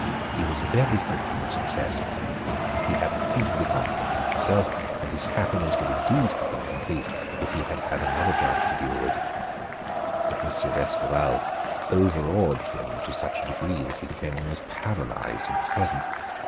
He was very hopeful of success. He had every confidence in himself, and his happiness would indeed have been complete if he had had another judge to deal with. But M. d'Escorval overawed him to such a degree that he became almost paralyzed in his presence.